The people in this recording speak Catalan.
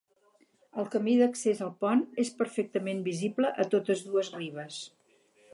El camí d'accés al pont és perfectament visible a totes dues ribes.